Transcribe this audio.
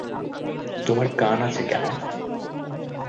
তোমার কান আছে কেন?